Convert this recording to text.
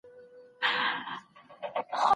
چېري د پخوانیو جنایتونو قربانیان جبران ترلاسه کوي؟